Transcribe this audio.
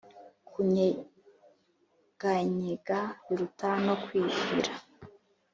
kunyeganyega biruka no kwibira